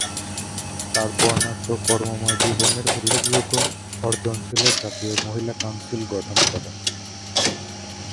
তার বর্ণাঢ্য কর্মময় জীবনের উল্লেখযোগ্য অর্জন ছিল জাতীয় মহিলা কাউন্সিল গঠন করা।